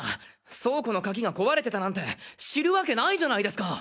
倉庫の鍵が壊れてたなんて知るわけないじゃないですか！